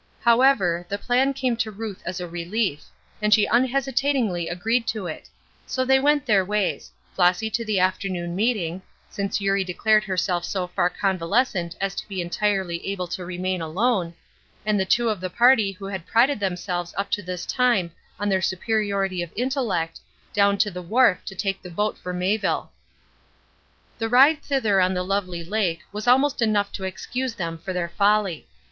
However, the plan came to Ruth as a relief, and she unhesitatingly agreed to it; so they went their ways Flossy to the afternoon meeting (since Eurie declared herself so far convalescent as to be entirely able to remain alone) and the two of the party who had prided themselves up to this time on their superiority of intellect down to the wharf to take the boat for Mayville. The ride thither on the lovely lake was almost enough to excuse them for their folly.